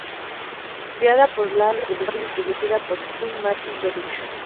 Creada por Larry Cohen y producida por Quinn Martin Productions.